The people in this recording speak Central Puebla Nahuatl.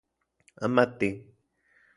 Amati